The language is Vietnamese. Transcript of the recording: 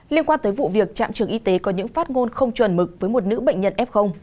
liên quan tới vụ việc trạm trường y tế có những phát ngôn không chuẩn mực với một nữ bệnh nhân f